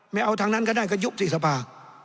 ไม่เอาทางนั้นก็ได้ก็ยุบสิสภา